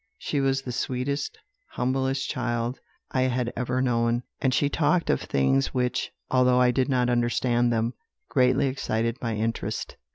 She was the sweetest, humblest child I had ever known; and she talked of things which, although I did not understand them, greatly excited my interest.